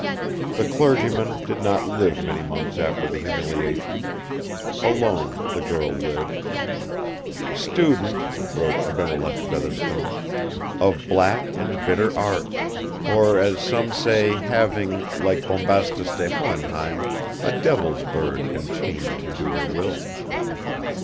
The clergyman did not live many months after the humiliation. Alone, the girl lived. "Student," wrote Abimelech Fetherstone, "of black and bitter arts. Or as some say, having, like Bombastus de Hohenheim, a devil's bird enchained to do her will."